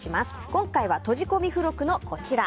今回は、とじ込み付録のこちら。